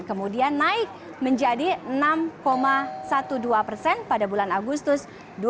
kemudian naik menjadi enam dua belas persen pada bulan agustus dua ribu dua puluh